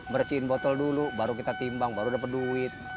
bersihin botol dulu baru kita timbang baru dapat duit